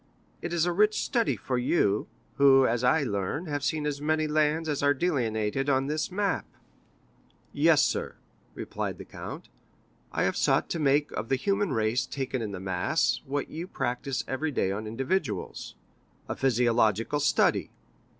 It is a rich study for you, who, as I learn, have seen as many lands as are delineated on this map." "Yes, sir," replied the count; "I have sought to make of the human race, taken in the mass, what you practice every day on individuals—a physiological study.